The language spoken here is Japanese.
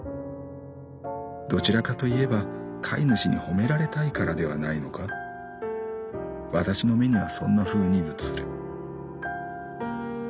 どちらかといえば飼い主に褒められたいからではないのか。わたしの目にはそんなふうに映る」。